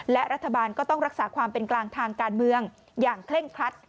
และรัฐบาลก็ต้องรักษาความเป็นกลางทางการเมืองอย่างเคร่งครัด